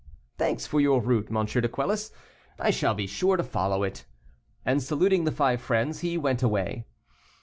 "Thanks for your route, M. de Quelus, I shall be sure to follow it." And saluting the five friends, he went away.